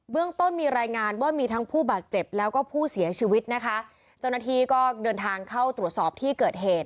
เรื่องต้นมีรายงานว่ามีทั้งผู้บาดเจ็บแล้วก็ผู้เสียชีวิตนะคะเจ้าหน้าที่ก็เดินทางเข้าตรวจสอบที่เกิดเหตุ